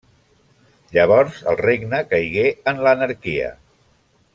Llavors el regne caigué en l'anarquia.